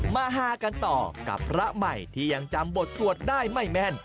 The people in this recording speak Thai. ฮากันต่อกับพระใหม่ที่ยังจำบทสวดได้ไม่แม่น